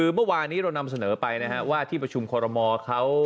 คือเมื่อวานี้เรานำเสนอไปนะฮะว่าที่ประชุมคอรมอเขา